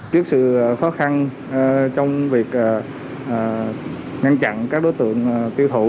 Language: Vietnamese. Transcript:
trước sự khó khăn trong việc ngăn chặn các đối tượng tiêu thụ